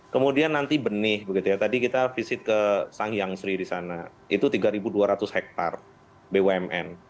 kemudian nanti benih begitu ya tadi kita visit ke sang hyang sri di sana itu tiga dua ratus hektare bumn